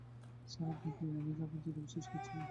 Sir, আপনি কি আমি যা বলছি, তা বিশ্বাস করছেন?